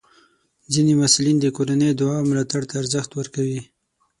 ځینې محصلین د کورنۍ دعا او ملاتړ ته ارزښت ورکوي.